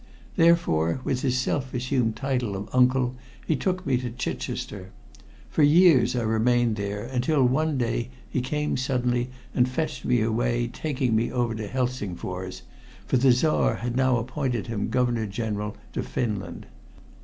Therefore, with his self assumed title of uncle, he took me to Chichester. For years I remained there, until one day he came suddenly and fetched me away, taking me over to Helsingfors for the Czar had now appointed him Governor General to Finland.